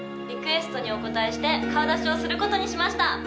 リクエストにお応えして顔出しをすることにしました。